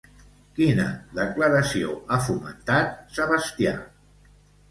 Quina declaració ha fomentat Sebastià?